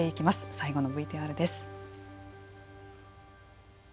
最後のＶＴＲです。